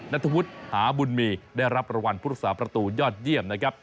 นัทวุฒิหาบุญมีได้รับรางวัลผู้รักษาประตูยอดเยี่ยมนะครับ